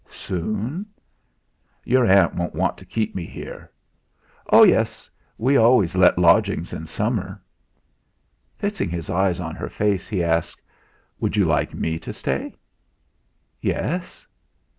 "Soon?" "Your aunt won't want to keep me here." "Oh, yes! We always let lodgings in summer." Fixing his eyes on her face, he asked: "Would you like me to stay?" "Yes."